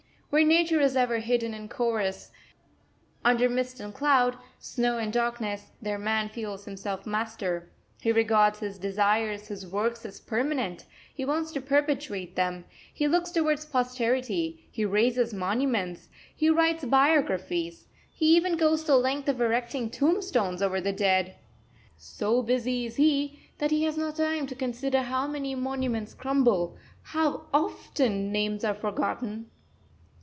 Where Nature is ever hidden, and cowers under mist and cloud, snow and darkness, there man feels himself master; he regards his desires, his works, as permanent; he wants to perpetuate them, he looks towards posterity, he raises monuments, he writes biographies; he even goes the length of erecting tombstones over the dead. So busy is he that he has not time to consider how many monuments crumble, how often names are forgotten!